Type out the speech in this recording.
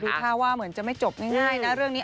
ดูถ้าว่าจะไม่จบง่ายนะเรื่องนี้